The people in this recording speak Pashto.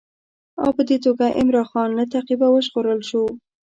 او په دې توګه عمرا خان له تعقیبه وژغورل شو.